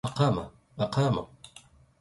أقام كل ملث الودق رجاس